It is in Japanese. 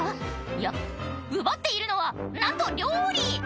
いや奪っているのはなんと料理！